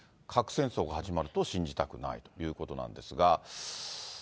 核戦争が始まると信じたくないということなんですが。